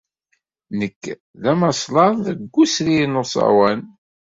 Nekk d amaslaḍ deg wesrir n uẓawan.